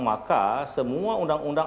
maka semua undang undang